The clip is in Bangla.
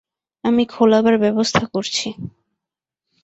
আমি খোলাবার ব্যবস্থা করছি।